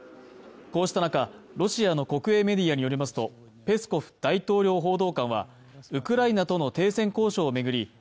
こうした中、ロシアの国営メディアによりますと、ペスコフ大統領報道官はウクライナとの停戦交渉を巡り